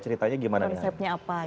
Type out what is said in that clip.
ini bajunya ceritanya gimana